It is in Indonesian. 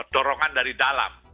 dorongan dari dalam